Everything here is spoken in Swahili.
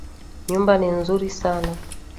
Nyumba ni nzuri sana.